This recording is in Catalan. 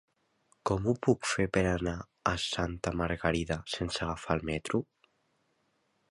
Com ho puc fer per anar a Santa Margalida sense agafar el metro?